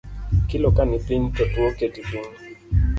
Kilo kanipiny to tuo keti piny